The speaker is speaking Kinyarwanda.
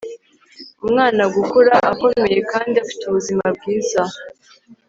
umwana gukura akomeye kandi afite ubuzima bwiza